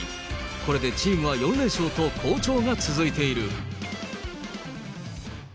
これでチームは４連勝と好調が続いている。